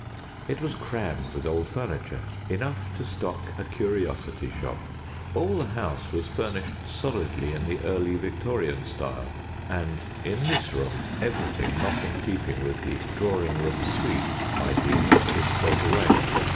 It was crammed with old furniture enough to stock a curiosity shop. All the house was furnished solidly in the early Victorian style, and in this room everything not in keeping with the "drawing room suite" ideal was stowed away.